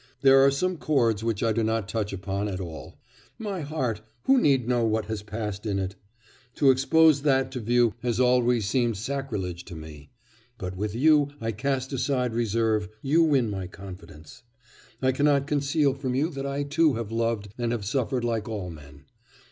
There are some chords which I do not touch upon at all. My heart who need know what has passed in it? To expose that to view has always seemed sacrilege to me. But with you I cast aside reserve; you win my confidence.... I cannot conceal from you that I too have loved and have suffered like all men....